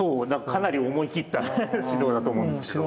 かなり思い切った指導だと思うんですけど。